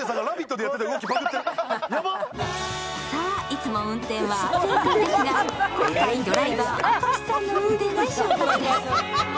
いつも運転は亜生君ですが、今回ドライバー・明石さんの運転で出発です。